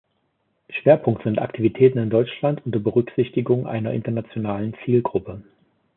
Schwerpunkt sind Aktivitäten in Deutschland unter Berücksichtigung einer internationalen Zielgruppe.